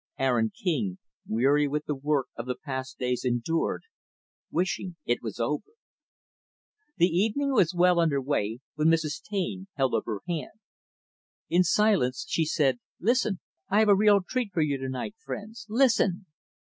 Aaron King, weary with the work of the past days, endured wishing it was over. The evening was well under way when Mrs. Taine held up her hand. In the silence, she said, "Listen! I have a real treat for you, to night, friends. Listen!"